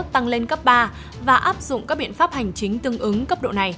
tăng lên cấp ba và áp dụng các biện pháp hành chính tương ứng cấp độ này